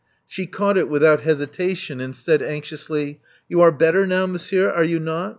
She caught it without hesitation, and said anxiously: You are better now, monsieur, are you not?